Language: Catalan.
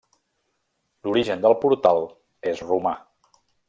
L'origen del portal és romà.